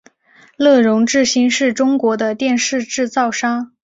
乐融致新是中国的电视制造商。